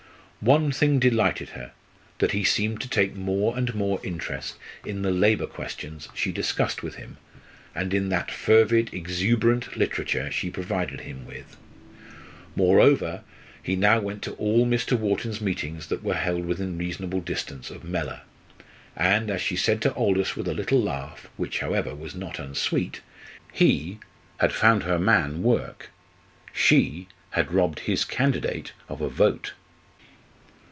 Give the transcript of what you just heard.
One thing delighted her that he seemed to take more and more interest in the labour questions she discussed with him, and in that fervid, exuberant literature she provided him with. Moreover, he now went to all Mr. Wharton's meetings that were held within reasonable distance of Mellor; and, as she said to Aldous with a little laugh, which, however, was not unsweet, he had found her man work she had robbed his candidate of a vote.